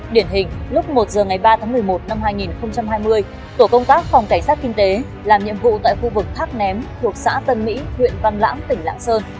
điển hình lúc một giờ ngày ba tháng một mươi một năm hai nghìn hai mươi tổ công tác phòng cảnh sát kinh tế làm nhiệm vụ tại khu vực thác ném thuộc xã tân mỹ huyện văn lãng tỉnh lạng sơn